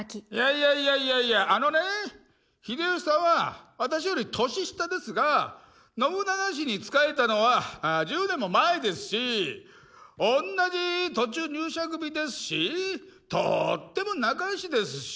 いやいやいやいやあのね秀吉さんは私より年下ですが信長氏に仕えたのは１０年も前ですし同じ途中入社組ですしとっても仲よしですし。